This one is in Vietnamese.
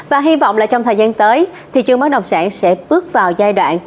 và hy vọng là trong thời gian tới thị trường bất động sản sẽ bước vào giai đoạn